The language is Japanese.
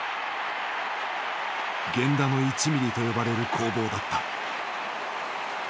源田の１ミリと呼ばれる攻防だった。